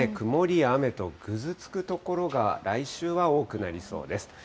曇りや雨と、ぐずつく所が、来週は多くなりそうです。